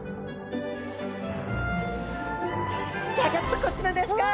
ギョギョッとこちらですか！